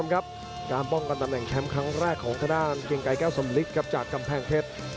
ครับการป้องกันตำแหน่งแชมป์ครั้งแรกของทางด้านเกียงไกรแก้วสำลิดครับจากกำแพงเพชร